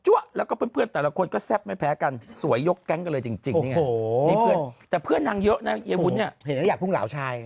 โอ้แต่เพื่อนนางเยอะนะเย้วุ่นเนี่ยเห็นแล้วอยากพุ่งหล่าวชาย